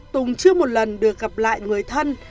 tùng chưa một lần được gặp lại người thân